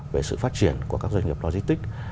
về sự phát triển của các doanh nghiệp logistics